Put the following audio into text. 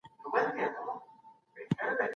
د احمد شاه بابا روغتیا کله خرابه سوه؟